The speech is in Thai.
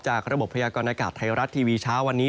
ระบบพยากรณากาศไทยรัฐทีวีเช้าวันนี้